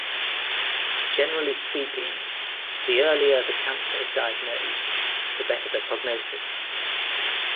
Generally speaking, the earlier the cancer is diagnosed, the better the prognosis.